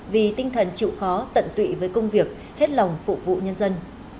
vì tinh thần chịu khó tận tụy với công việc hết lòng phục vụ nhân dân